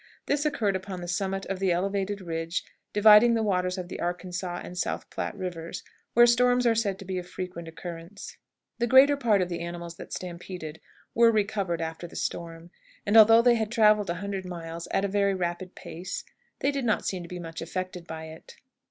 This occurred upon the summit of the elevated ridge dividing the waters of the Arkansas and South Platte Rivers, where storms are said to be of frequent occurrence. The greater part of the animals that stampeded were recovered after the storm, and, although they had traveled a hundred miles at a very rapid pace, they did not seem to be much affected by it.